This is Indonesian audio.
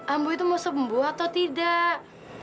ambu itu mau sembuh atau tidak